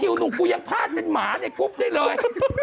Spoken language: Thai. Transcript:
ที่ลุกกูยั้งพลาดเป็นหมาในกุฟได้เลย